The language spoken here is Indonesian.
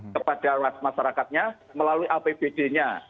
kepada masyarakatnya melalui apbd nya